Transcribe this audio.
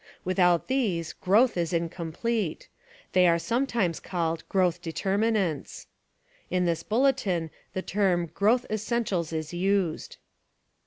Without these growth is incomplete. They are sometimes called "growth determi nants." In this bulletin the term "growth essentials" is used.